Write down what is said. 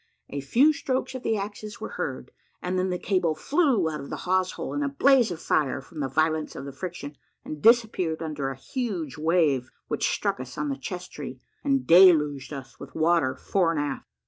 A few strokes of the axes were heard, and then the cable flew out of the hawse hole in a blaze of fire, from the violence of the friction, and disappeared under a huge wave, which struck us on the chess tree, and deluged us with water fore and aft.